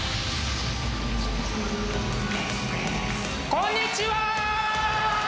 こんにちは！